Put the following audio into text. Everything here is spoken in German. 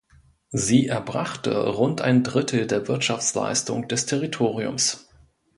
Sie erbrachte rund ein Drittel der Wirtschaftsleistung des Territoriums.